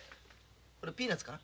これピーナツかな？